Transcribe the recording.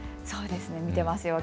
そうですね、見ています。